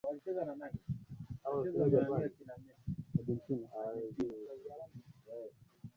Kwa vile alikua miongoni mwa abiria walioshuka mwanzoni hakukuta foleni sehemu ya uhamiaji